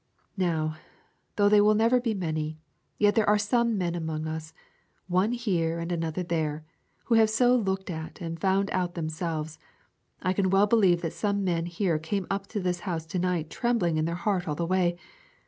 Now, though they will never be many, yet there must be some men among us, one here and another there, who have so looked at and found out themselves. I can well believe that some men here came up to this house to night trembling in their heart all the way.